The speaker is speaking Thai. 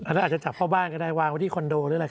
อาจจะจับเข้าบ้านก็ได้วางไว้ที่คอนโดหรืออะไร